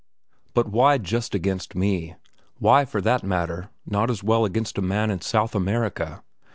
But why just against me? Why, for that matter, not just as well against a man in South America?